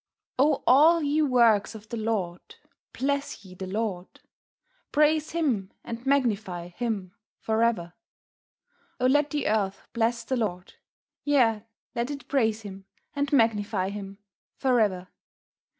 "O All ye Works of the Lord, Bless ye the Lord; Praise Him, and Magnify Him for ever. O let the Earth Bless the Lord; Yea, let it Praise Him, and Magnify Him for ever.